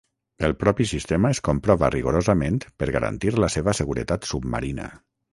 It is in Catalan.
El propi sistema es comprova rigorosament per garantir la seva seguretat submarina.